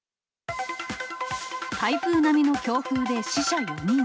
台風並みの強風で死者４人。